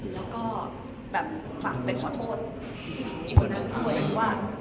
และให้เขาไปขอโทษกับเมื่อก่อน